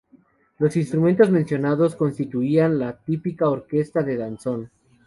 Los instrumentos mencionados constituían la típica orquesta de Danzón.